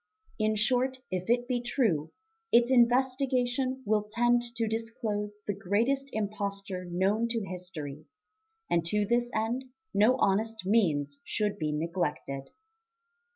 In short, if it be true, its investigation will tend to disclose the greatest imposture known to history; and to this end no honest means should be neglected.